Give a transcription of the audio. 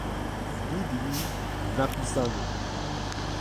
W Biblii napisano